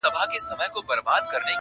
څوك به اخلي د پېړيو كساتونه٫